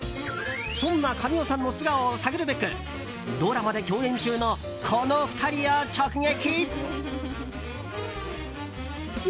そんな神尾さんの素顔を探るべくドラマで共演中のこの２人を直撃。